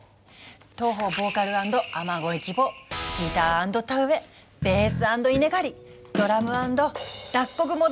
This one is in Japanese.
当方ボーカル＆雨乞い希望ギター＆田植えベース＆稲刈りドラム＆脱穀求むって。